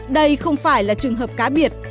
đây không phải là trường hợp cá biệt